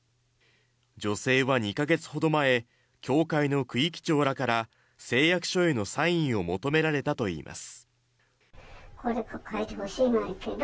女性は２か月ほど前教会の区域長らから誓約書へのサインを求められたといいます